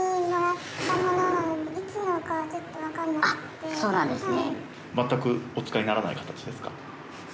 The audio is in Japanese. あっそうなんですね。